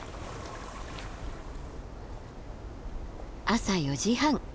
朝４時半。